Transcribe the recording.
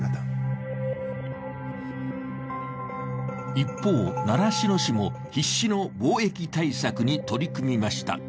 一方、習志野市も必死の防疫対策に取り組みました。